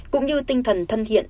cũng như tinh thần thân thiện